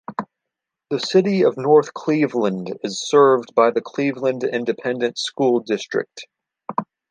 The City of North Cleveland is served by the Cleveland Independent School District.